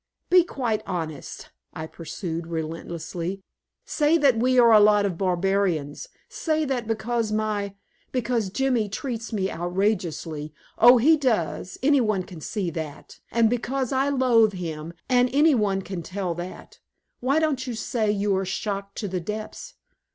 "Be quite honest," I pursued relentlessly. "Say that we are a lot of barbarians, say that because my because Jimmy treats me outrageously oh, he does; any one can see that and because I loathe him and any one can tell that why don't you say you are shocked to the depths?"